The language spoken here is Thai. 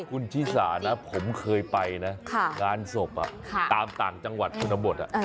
คุณชิสานะผมเคยไปนะงานศพตามต่างจังหวัดคุณบท